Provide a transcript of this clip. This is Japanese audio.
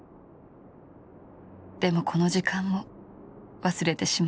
でもこの時間も忘れてしまう。